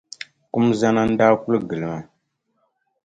Kum zana n-daa kul gili ma .